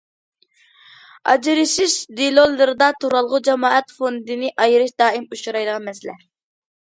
ئاجرىشىش دېلولىرىدا تۇرالغۇ جامائەت فوندىنى ئايرىش دائىم ئۇچرايدىغان مەسىلە.